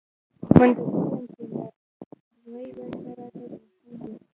منتظر یم چې له غیبه څه راته پېښېږي.